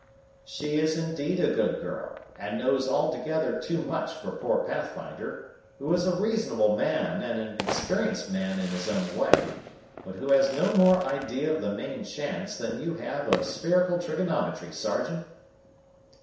"She is indeed a good girl, and knows altogether too much for poor Pathfinder, who is a reasonable man and an experienced man in his own way; but who has no more idea of the main chance than you have of spherical trigonometry, Sergeant."